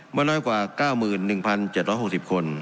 ไม่น้อยกว่า๙๑๗๖๐คน